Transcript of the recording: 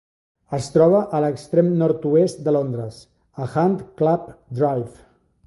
Es troba a l'extrem nord-oest de Londres, a Hunt Club Drive.